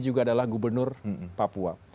juga adalah gubernur papua